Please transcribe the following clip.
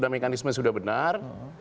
mekanisme sudah benar